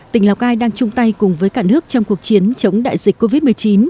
tỉnh lào cai đang chung tay cùng với cả nước trong cuộc chiến chống đại dịch covid một mươi chín